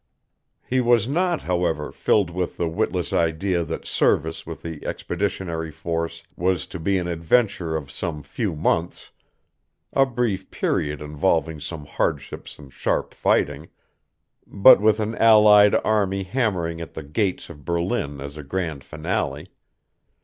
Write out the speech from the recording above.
He was not, however, filled with the witless idea that service with the Expeditionary Force was to be an adventure of some few months, a brief period involving some hardships and sharp fighting, but with an Allied Army hammering at the gates of Berlin as a grand finale.